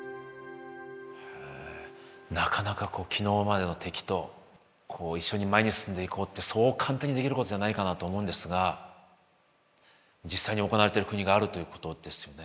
へえなかなかこう昨日までの敵と一緒に前に進んでいこうってそう簡単にできることじゃないかなと思うんですが実際に行われてる国があるということですよね。